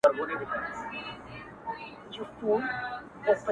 ډېر زلمي به ما غوندي په تمه سي زاړه ورته!!